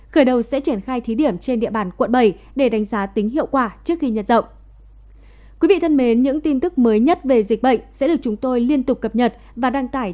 khởi đầu sẽ triển khai thí điểm trên địa bàn quận bảy để đánh giá tính hiệu quả trước khi nhân rộng